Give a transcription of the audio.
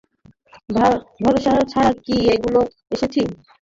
ভরসা ছাড়া কি এতদূর এসেছি?